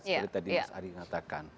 seperti tadi mas ari katakan